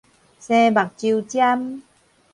生目睭針